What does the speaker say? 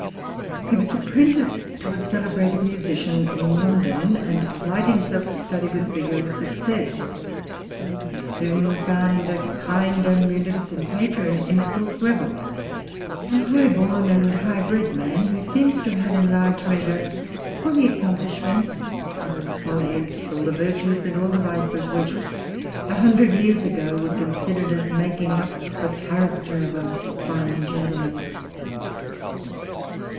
He was apprenticed to a celebrated musician in London, and applied himself to study with vigor and success. He soon found a kind and munificent patron in Fulk Greville, a high born and high bred man, who seems to have had in large measure all the accomplishments and all the follies, all the virtues and all the vices, which, a hundred years ago, were considered as making up the character of a fine gentleman.